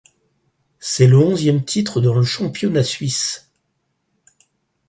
C’est son onzième titre dans le championnat suisse.